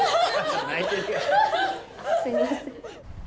すみません。